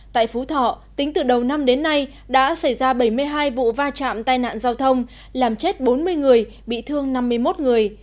tại phú thọ tính từ đầu năm đến nay đã xảy ra bảy mươi hai vụ va chạm tai nạn giao thông làm chết bốn mươi người bị thương năm mươi một người